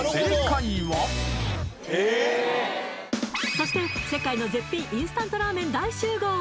そして世界の絶品インスタントラーメン大集合！